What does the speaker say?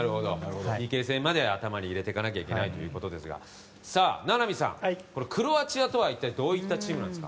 ＰＫ戦まで頭に入れていかないといけないということですが名波さん、クロアチアとは一体どういったチームですか？